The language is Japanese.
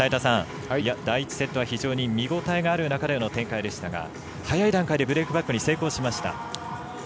第１セットは非常に見応えがある中での展開でしたが早い段階でブレークバックに成功しました。